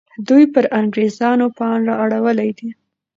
دوی پر انګریزانو پاڼ را اړولی دی.